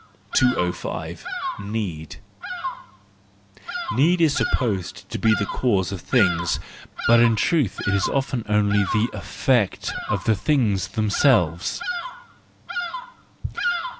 205. Need. —Need is supposed to be the cause of things; but in truth it is often only the effect of the things themselves.